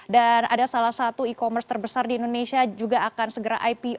dan ada salah satu e commerce terbesar di indonesia juga akan segera